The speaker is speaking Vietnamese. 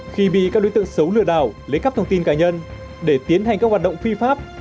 khi bị các đối tượng xấu lừa đảo lấy cắp thông tin cá nhân để tiến hành các hoạt động phi pháp